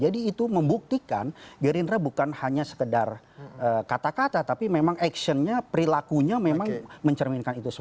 jadi itu membuktikan gerindra bukan hanya sekedar kata kata tapi memang actionnya perilakunya memang mencerminkan itu semua